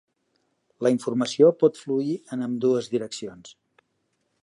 La informació pot fluir en ambdues direccions.